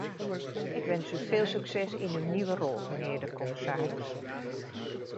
Ik wens u veel succes in uw nieuwe rol, mijnheer de commissaris.